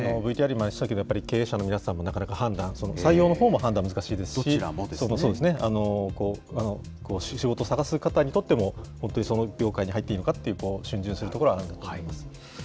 ＶＴＲにもありましたけど、やっぱり経営者の皆さんもなかなか判断、その採用のほうも判断難しいですし、仕事探す方にとっても、本当にその業界に入っていいのかというところは逡巡するところはあるんだと思います。